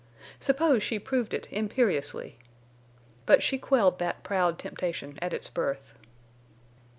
Suppose she proved it, imperiously! But she quelled that proud temptation at its birth.